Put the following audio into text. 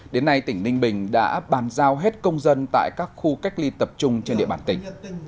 đến nay tỉnh ninh bình đã bàn giao hết công dân tại các khu cách ly tập trung trên địa bàn tỉnh